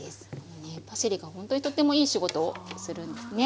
パセリがほんとにとってもいい仕事をするんですね。